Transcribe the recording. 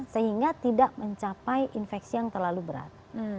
sehingga tidak mencapai infeksi yang terlalu berat